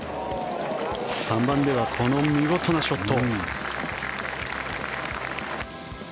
３番ではこの見事なショット。